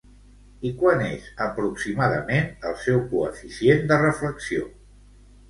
I quant és, aproximadament, el seu coeficient de reflexió?